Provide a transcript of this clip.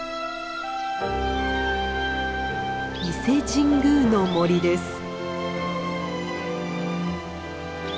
伊勢神宮の森です。